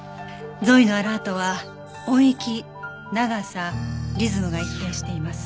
ゾイのアラートは音域長さリズムが一定しています。